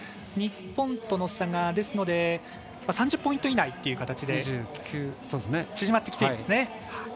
日本との差が３０ポイント以内という形で縮まってきていますね。